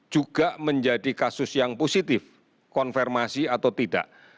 juga menjadi kasus yang positif konfirmasi atau tidak